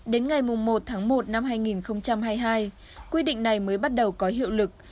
đến ngày một tháng một năm hai nghìn hai mươi hai quy định này mới bắt đầu có hiệu lực